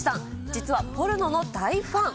実はポルノの大ファン。